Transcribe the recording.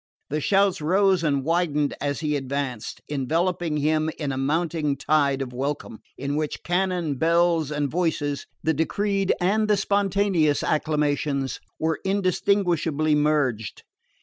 The shouts rose and widened as he advanced, enveloping him in a mounting tide of welcome, in which cannon, bells and voices the decreed and the spontaneous acclamations were indistinguishably merged.